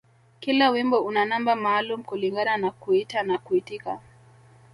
Kila wimbo una namba maalum kulingana na kuita na kuitika